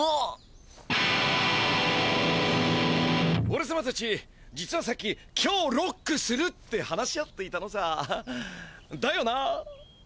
おれさまたち実はさっき「今日ロックする」って話し合っていたのさだよな？